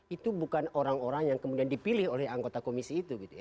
itu bukan orang orang yang kemudian dipilih oleh anggota komisi itu gitu ya